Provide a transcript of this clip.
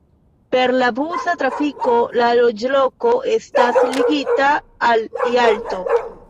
Per la busa trafiko la loĝloko estas ligita al Jalto.